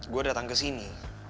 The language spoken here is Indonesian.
gue datang ke sini